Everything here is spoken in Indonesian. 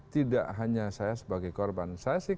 tidak hanya saya sebagai korban saya sih